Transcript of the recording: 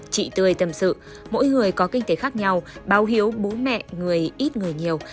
chị tươi tâm sự mỗi người có kinh tế khác nhau báo hiếu bố mẹ người ít người nhiều